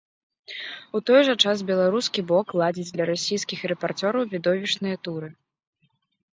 У той жа час беларускі бок ладзіць для расійскіх рэпарцёраў відовішчныя туры.